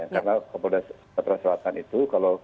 karena kapolda sumatera selatan itu